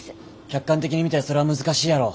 客観的に見たらそれは難しいやろ。